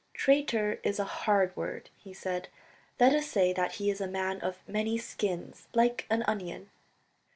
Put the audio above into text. "Traitor is a hard word," he said, "let us say that he is a man of many skins like an onion